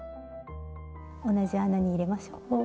同じ穴に入れましょう。